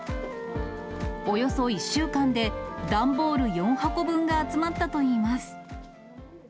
およそ１週間で、段ボール４箱分が集まったといいます。